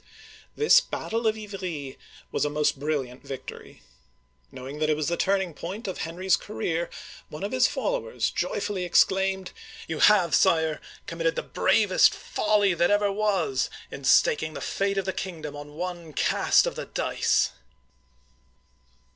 This battle of Ivry was a most brilliant victory. Know ing that it was the turning point of Henry's career, one of his followers joyfully exclaimed :" You have. Sire, com mitted the bravest folly that ever was, in staking the fate of the kingdom on one cast of the dice